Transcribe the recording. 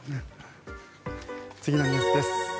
次のニュースです。